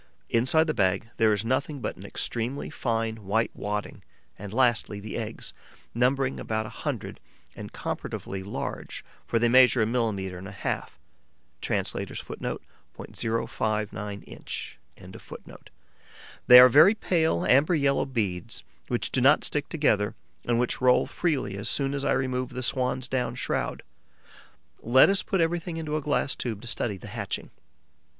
Inside the bag there is nothing but an extremely fine, white wadding and, lastly, the eggs, numbering about a hundred and comparatively large, for they measure a millimetre and a half. They are very pale amber yellow beads, which do not stick together and which roll freely as soon as I remove the swan's down shroud. Let us put everything into a glass tube to study the hatching.